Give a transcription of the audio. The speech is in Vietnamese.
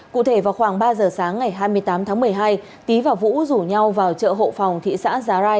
cụ thể vào khoảng ba giờ sáng ngày hai mươi tám tháng một mươi hai tý và vũ rủ nhau vào chợ hộ phòng thị xã giá rai